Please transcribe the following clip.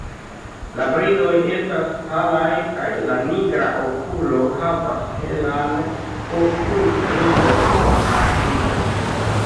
La bridoj estas palaj kaj la nigra okulo havas helan okulringon rimarkindan.